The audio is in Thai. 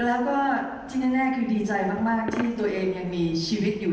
แล้วก็ที่แน่คือดีใจมากที่ตัวเองยังมีชีวิตอยู่